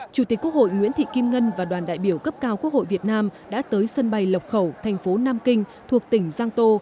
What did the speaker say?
chủ tịch quốc hội nguyễn thị kim ngân và đoàn đại biểu cấp cao quốc hội việt nam đã tới sân bay lọc khẩu thành phố nam kinh thuộc tỉnh giang tô